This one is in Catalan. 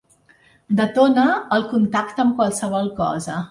Detona al contacte amb qualsevol cosa.